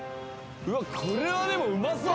うわこれはでもうまそう！